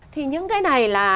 thì những cái này là